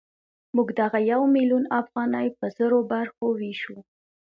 موږ دغه یو میلیون افغانۍ په زرو برخو وېشو